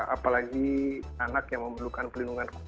apalagi anak yang memerlukan perlindungan khusus